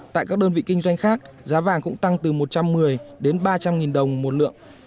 tại các đơn vị kinh doanh khác giá vàng cũng tăng từ một trăm một mươi đến ba trăm linh nghìn đồng một lượng